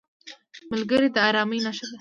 ملګری د ارامۍ نښه ده